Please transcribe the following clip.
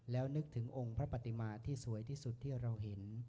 แล้วนึกถึงองค์พระปฏิมาที่สวยที่สุดที่เราเห็น